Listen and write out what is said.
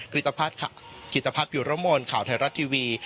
คริสตภัทรค่ะคริสตภัทรผิวระมวลข่าวไทยรัฐทีวี